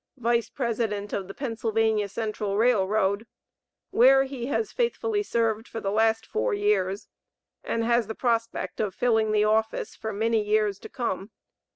Vice President of the Pennsylvania Central Rail Road, where he has faithfully served for the last four years, and has the prospect of filling the office for many years to come.